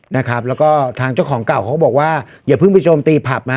นะครับแล้วก็ทางเจ้าของเก่าเขาบอกว่าอย่าเพิ่งไปโจมตีผับนะ